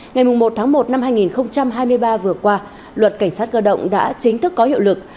ngày một tháng một năm hai nghìn hai mươi ba vừa qua luật cảnh sát cơ động đã chính thức có hiệu lực